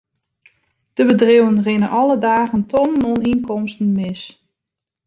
De bedriuwen rinne alle dagen tonnen oan ynkomsten mis.